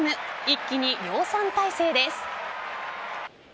一気に量産体制です。